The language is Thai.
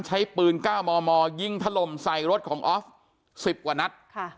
ใช้ปืน๙มมยิงถล่มใส่รถของออฟ๑๐กว่านัด